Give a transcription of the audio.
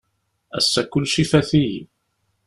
Ass-a kullec ifat-iyi.